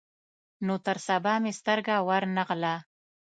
نو تر سبا مې سترګه ور نه غله.